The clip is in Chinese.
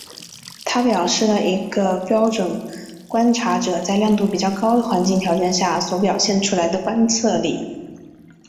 它表示了一个标准观测者在亮度比较高的环境条件下所表现出来的观测能力。